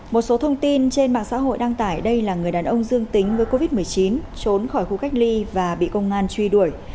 một số thông tin trên mạng xã hội đăng tải đây là người đàn ông dương tính với covid một mươi chín trốn khỏi khu cách ly và bị công an truy đuổi